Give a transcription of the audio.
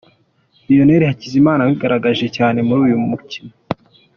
Lionel Hakizimana wigaragaje cyane muri uyu mukino.